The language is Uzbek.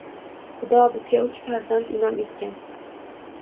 Xudo bizga uch farzand in`om etgan